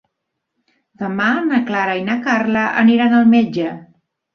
Demà na Clara i na Carla aniran al metge.